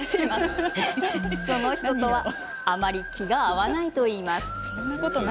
その人とはあまり気が合わないといいます。